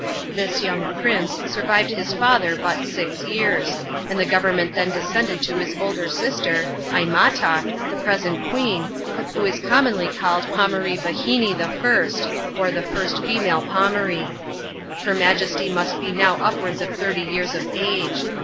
This young prince sur vived his father but six years; and the government then descended to his elder sister, Aimata, the present queen, who is commonly called Pomaree Vahinee I., or the first female Pomaree. Her Majesty must be now upwards of thirty years of age.